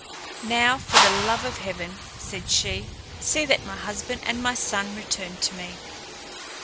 "Now, for the love of Heaven," said she, "see that my husband and my son return to me."